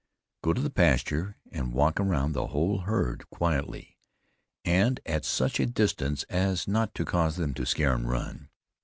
Go to the pasture and walk around the whole herd quietly, and at such a distance as not to cause them to scare and run.